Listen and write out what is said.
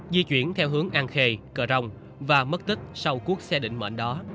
di chuyển theo hướng an khê cờ rồng và mất tức sau cuốc xe định mệnh đó